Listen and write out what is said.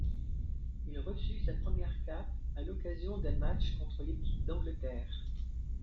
Il reçut sa première cape le à l'occasion d'un match contre l'équipe d'Angleterre.